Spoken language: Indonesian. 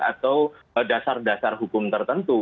atau dasar dasar hukum tertentu